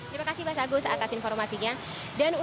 terima kasih mas agus atas informasinya